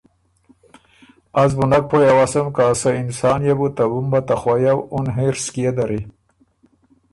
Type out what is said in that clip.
از بُو نک پویٛ اوسم که ا سۀ انسان يې بو ته بُمبه ته خویؤ اُن حِنرص کيې دَری؟